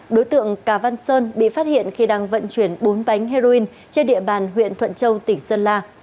đối tượng cà văn sơn bị phát hiện khi đang vận chuyển bốn bánh heroin trên địa bàn huyện thuận châu tỉnh sơn la